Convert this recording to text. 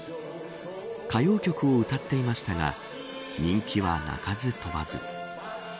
歌謡曲を歌っていましたが人気は鳴かず飛ばず。